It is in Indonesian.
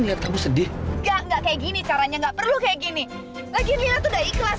lihat kamu sedih enggak enggak kayak gini caranya nggak perlu kayak gini lagi udah ikhlas